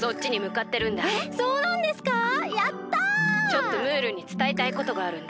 ちょっとムールにつたえたいことがあるんだ。